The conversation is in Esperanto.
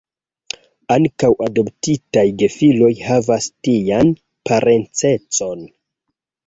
Ankaŭ adoptitaj gefiloj havas tian parencecon.